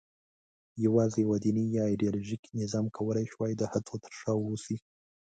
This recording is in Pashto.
یواځې یوه دیني یا ایدیالوژیک نظام کولای شوای د هڅو تر شا واوسي.